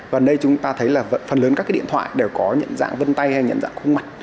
và đây chúng ta thấy là phần lớn các cái điện thoại đều có nhận dạng vân tay hay nhận dạng khuôn mặt